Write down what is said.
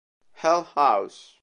Hell House